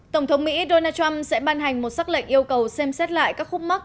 tổng thống mỹ donald trump sẽ ban hành một sắc lệnh yêu cầu xem xét lại các khúc mắc